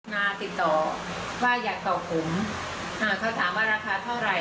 มาติดต่อว่าอยากตอบผมอ่าเขาถามว่าราคาเท่าไหร่